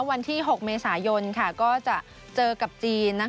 วันที่๖เมษายนก็จะเจอกับจีน